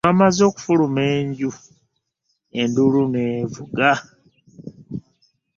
Olwamaze okufuluma enju enduulu n'evuga.